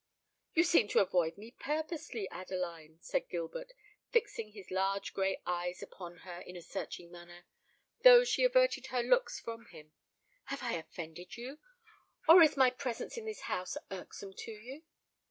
"You seem to avoid me purposely, Adeline," said Gilbert, fixing his large grey eyes upon her in a searching manner, though she averted her looks from him: "have I offended you? or is my presence in this house irksome to you?"